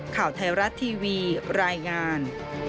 ข่าวไทยรัฐทีวีรายงาน